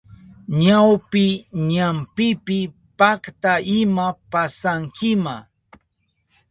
Chawpi ñampipi pakta ima pasankima.